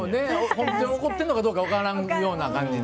本当に怒ってるのかどうか分からんような感じで。